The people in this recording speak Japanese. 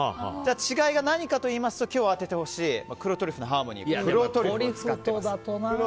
違いは何かといいますと今日当ててほしい黒トリュフのハーモニーは黒トリュフを使っています。